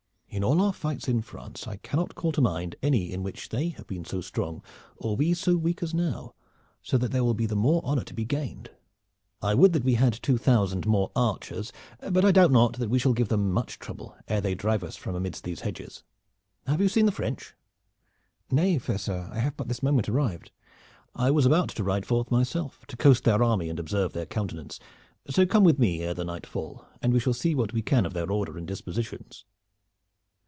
In all our fights in France I cannot call to mind any in which they have been so strong or we so weak as now, so that there will be the more honor to be gained. I would that we had two thousand more archers. But I doubt not that we shall give them much trouble ere they drive us out from amidst these hedges. Have you seen the French?" "Nay, fair sir, I have but this moment arrived." "I was about to ride forth myself to coast their army and observe their countenance, so come with me ere the night fall, and we shall see what we can of their order and dispositions."